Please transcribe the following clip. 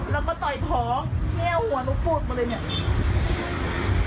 แล้วก็ต่อยท้องเนี่ยหัวหนูปวดมาเลยเนี่ย